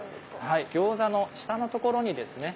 はい餃子の下のところにですね